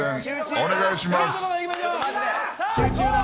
お願いします。